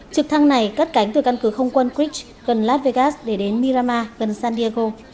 trực thăng này cắt cánh từ căn cứ không quân creech gần las vegas để đến mirama gần san diego